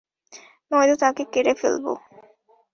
নয়তো তাকে কেটে ফেলবো।